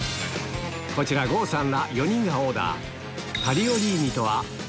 こちら郷さんら４人がオーダー